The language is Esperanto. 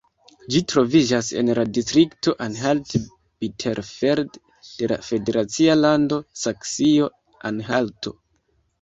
Ĝi troviĝas en la distrikto Anhalt-Bitterfeld de la federacia lando Saksio-Anhalto.